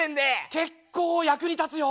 結構役に立つよ！